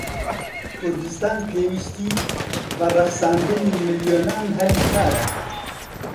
کوردستان پێویستیی بە ڕەخساندنی ملیۆنان هەلی کارە.